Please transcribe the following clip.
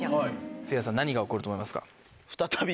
せいやさん何が起こると思いますか？